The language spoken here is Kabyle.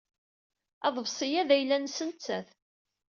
Aḍebsi-a d ayla-nnes nettat.